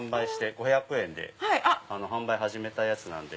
５００円で販売を始めたやつなんで。